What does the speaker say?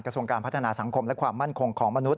ส่วนการพัฒนาสังคมและความมั่นคงของมนุษ